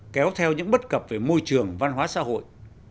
kéo theo những bất cập về môi trường văn hóa xã hội